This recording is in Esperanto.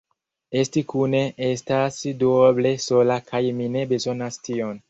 Esti kune estas duoble sola kaj mi ne bezonas tion.